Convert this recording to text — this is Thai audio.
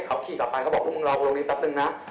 เขาขี่กลับไปเขาบอกพวกมึงรอตรงนี้แป๊บนึงนะ